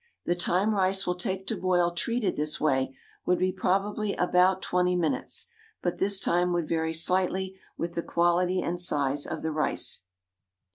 The time rice will take to boil treated this way would be probably about twenty minutes, but this time would vary slightly with the quality and size of the rice.